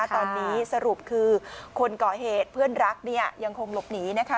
ตอนนี้สรุปคือคนก่อเหตุเพื่อนรักยังคงหลบหนีนะคะ